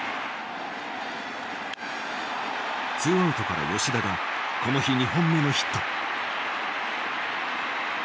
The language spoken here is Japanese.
ツーアウトから吉田がこの日２本目のヒット。